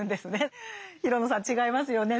廣野さん違いますよね。